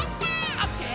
「オッケー！